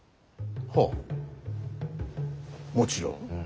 はぁもちろん。